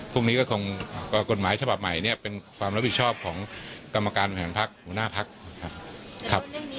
พรุ่งนี้ก็คงกฎหมายฉบับใหม่เนี่ยเป็นความรับผิดชอบของกรรมการบริหารพักหัวหน้าพักครับ